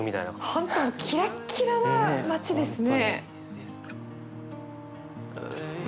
本当もうキラッキラな街ですね。